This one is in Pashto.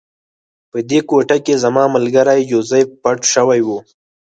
په دې کوټه کې زما ملګری جوزف پټ شوی و